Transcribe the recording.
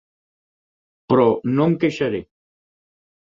Però no em queixaré.